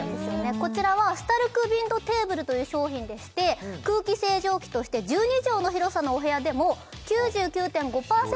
こちらはスタルクヴィンドテーブルという商品でして空気清浄機として１２畳の広さのお部屋でも９９．５％